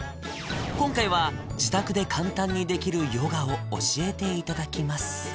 今回は自宅で簡単にできるヨガを教えていただきます